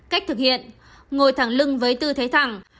cách thực hiện ngồi thẳng lưng với tư thế thẳng